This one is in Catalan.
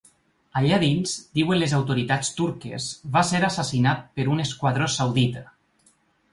Allà dins, diuen les autoritats turques, va ser assassinat per un esquadró saudita.